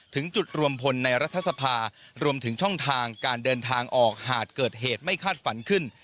ถึงจุดรวมพลในรัฐสภารวมถึงช่องทางการเดินทางออกหากเกิดเหตุไม่คาดฝันขึ้น